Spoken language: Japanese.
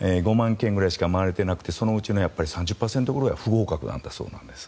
軒ぐらいしか回れていなくて、そのうちの３０％くらいは不合格だそうです。